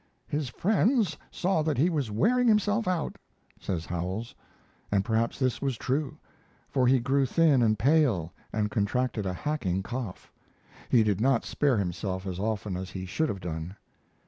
"His friends saw that he was wearing himself out," says Howells, and perhaps this was true, for he grew thin and pale and contracted a hacking cough. He did not spare himself as often as he should have done.